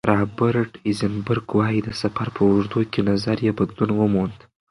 رابرټ ایزنبرګ وايي، د سفر په اوږدو کې نظر یې بدلون وموند.